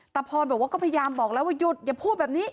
พรบอกว่าก็พยายามบอกแล้วว่าหยุดอย่าพูดแบบนี้